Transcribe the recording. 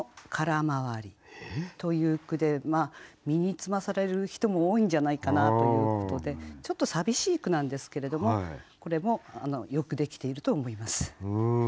身につまされる人も多いんじゃないかなということでちょっと寂しい句なんですけれどもこれもよくできていると思います。